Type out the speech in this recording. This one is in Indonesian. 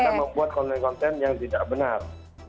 karena membuat konten konten yang tidak benar